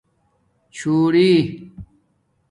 چُھݸری